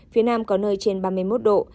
phía nam có nơi trên ba mươi một độ